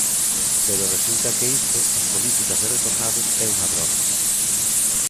Pero resulta que isto, as políticas de retornados, é unha broma.